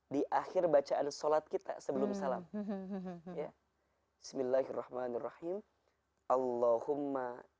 di akhir bacaan sholat kita sebelum salam